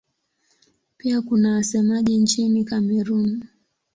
Pia kuna wasemaji nchini Kamerun.